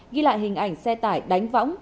ghi lại hình ảnh xe tải đánh võng